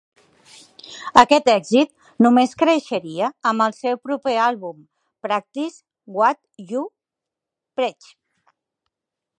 Aquest èxit només creixeria amb el seu proper àlbum "Practice What You Preach".